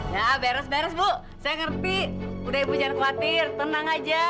nah beres beres bu saya ngerti udah ibu jangan khawatir tenang aja